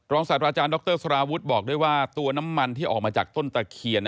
ศาสตราจารย์ดรสารวุฒิบอกด้วยว่าตัวน้ำมันที่ออกมาจากต้นตะเคียน